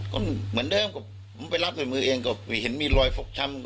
ก็เหมือนเดิมกับผมไปรับด้วยมือเองก็ไม่เห็นมีรอยฟกช้ำ